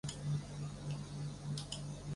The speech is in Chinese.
兰舒凯马杜是巴西圣卡塔琳娜州的一个市镇。